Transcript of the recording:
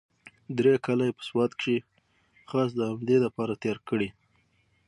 درې کاله يې په سوات کښې خاص د همدې دپاره تېر کړي.